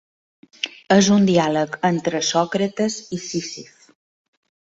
És un diàleg entre Sòcrates i Sísif.